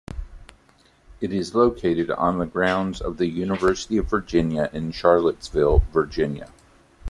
It is located on the grounds of the University of Virginia in Charlottesville, Virginia.